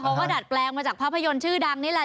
ว่าดัดแปลงมาจากภาพยนตร์ชื่อดังนี่แหละ